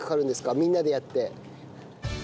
みんなでやって。